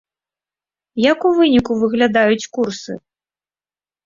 Як у выніку выглядаюць курсы?